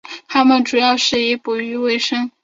他们主要是以捕鱼维生。